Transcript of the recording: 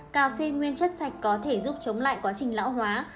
cà phê nguyên chất sạch có thể giúp chống lại quá trình lão hóa